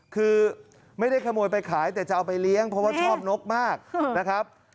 คือไม่ได้ขโมยไปขายแต่จะเอาไปเลี้ยงเพราะว่าชอบนกมากนะครับ